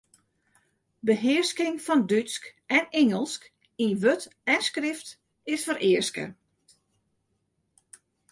Behearsking fan Dútsk en Ingelsk yn wurd en skrift is fereaske.